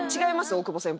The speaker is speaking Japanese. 大久保先輩。